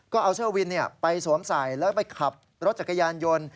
ก็เอาเสื้อวินไปสวมใส่แล้วไปขับรถจักรยานยนต์